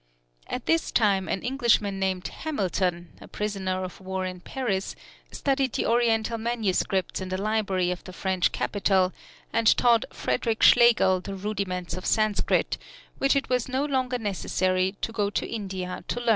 At this time an Englishman named Hamilton, a prisoner of war in Paris, studied the Oriental MSS. in the library of the French capital, and taught Frederick Schlegel the rudiments of Sanskrit, which it was no longer necessary to go to India to learn.